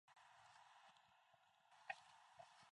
The Brooklyn claim on Money Creek is nearby.